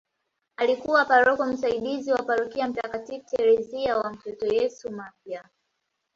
Alikuwa paroko msaidizi wa parokia ya mtakatifu Theresia wa mtoto Yesu Mafia